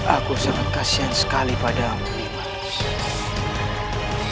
aku sangat kasihan sekali padamu limas